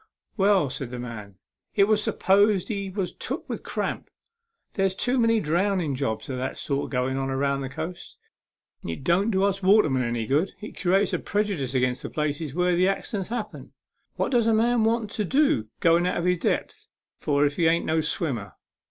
" Well," said the man, " it was supposed he was took with cramp. There's too many drownding jobs of that sort going on along the coast. It don't do us watermen any good. It creates a prejudice agin the places where the accidents happen. What does a man want to go out of his depth for if he ain't no swimmer